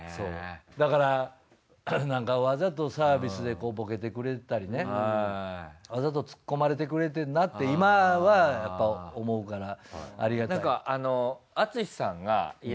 だからなんかわざとサービスでボケてくれてたりねわざとつっこまれてくれてるなって今は思うからありがたい。